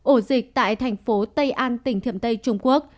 ổ dịch tại thành phố tây an tỉnh thiềm tây trung quốc